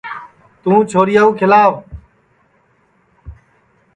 توں چھوریا کُو کھیلاو